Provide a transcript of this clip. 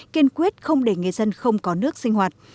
kiên quyết không để người dân không có nước sinh hoạt